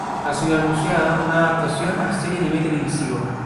Ha sido anunciada una adaptación a serie anime televisivo.